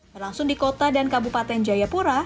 berlangsung di kota dan kabupaten jayapura